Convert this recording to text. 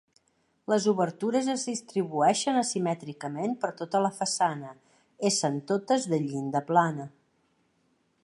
Les obertures es distribueixen asimètricament per tota la façana, essent totes de llinda plana.